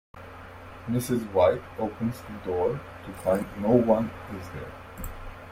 Mrs. White opens the door to find no one is there.